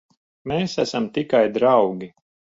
Mēs esam tikai draugi.